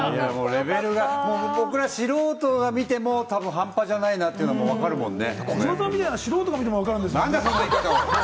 レベルが僕ら素人が見ても半端じゃないなというのが分かるもんね。